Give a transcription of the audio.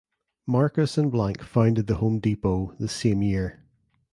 Marcus and Blank founded The Home Depot the same year.